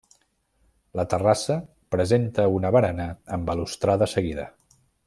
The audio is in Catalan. La terrassa presenta una barana amb balustrada seguida.